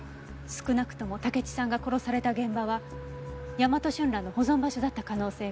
少なくとも竹地さんが殺された現場はヤマトシュンランの保存場所だった可能性が。